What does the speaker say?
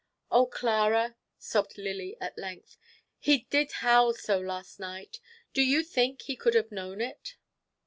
"Oh, Clara," sobbed Lily at length, "he did howl so last night. Do you think he could have known it?"